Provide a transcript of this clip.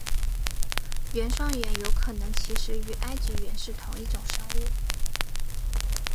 原上猿有可能其实与埃及猿是同一种生物。